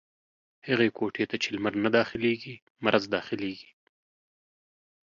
هغي کوټې ته چې لمر نه داخلېږي ، مرض دا خلېږي.